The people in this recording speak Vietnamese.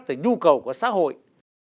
từ nhu cầu của xã hội